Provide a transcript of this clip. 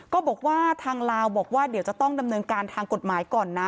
ก็บอกว่าทางลาวบอกว่าเดี๋ยวจะต้องดำเนินการทางกฎหมายก่อนนะ